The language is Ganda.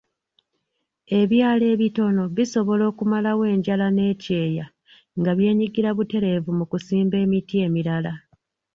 Ebyalo ebitono bisobola okumalawo enjala n'ekyeya nga byenyigira butereevu mu kusimba emiti emirala.